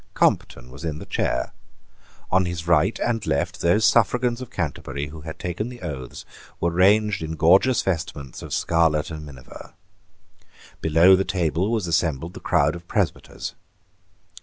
Compton was in the chair. On his right and left those suffragans of Canterbury who had taken the oaths were ranged in gorgeous vestments of scarlet and miniver. Below the table was assembled the crowd of presbyters.